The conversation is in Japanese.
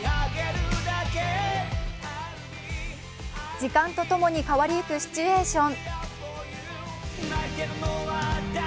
時間とともに変わりゆくシチュエーション。